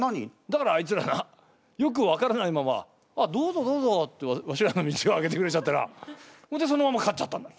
だからあいつらなよく分からないまま「あっどうぞどうぞ」ってわしらの道を空けてくれちゃってなそれでそのまま勝っちゃったんだ。